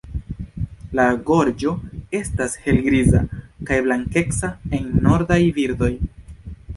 La gorĝo estas helgriza, kaj blankeca en nordaj birdoj.